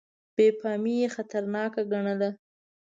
بې پامي یې خطرناکه ګڼله.